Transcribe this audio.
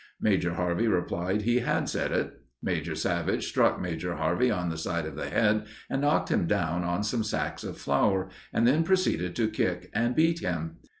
Major Harvey replied he had said it. Major Savage struck Major Harvey on the side of the head and knocked him down on some sacks of flour, and then proceeded to kick and beat him.